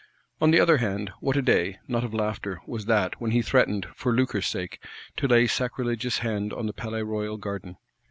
On the other hand, what a day, not of laughter, was that, when he threatened, for lucre's sake, to lay sacrilegious hand on the Palais Royal Garden!